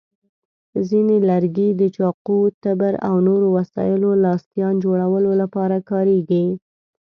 ځینې لرګي د چاقو، تبر، او نورو وسایلو لاستیان جوړولو لپاره کارېږي.